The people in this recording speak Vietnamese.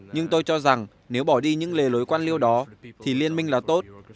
nhưng tôi cho rằng nếu bỏ đi những lề lối quan liêu đó thì liên minh là tốt